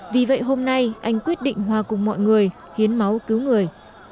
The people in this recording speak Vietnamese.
vì vậy hôm nay anh quyết định hòa cùng mọi người hiến máu cứu người